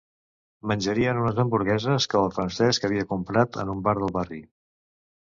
Menjarien unes hamburgueses que el Francesco havia comprat en un bar del barri.